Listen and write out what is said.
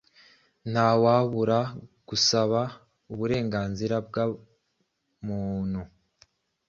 Ntawabura gusaba uburenganzira bwa muntu